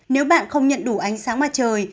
nếu bạn không nhận đủ ánh sáng mặt trời